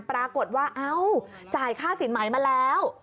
ปรากฏว่าเอ้าจ่ายค่าสินใหม่มาแล้ว